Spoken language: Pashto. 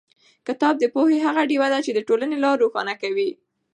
کتاب د پوهې هغه ډېوه ده چې د ټولنې لار روښانه کوي.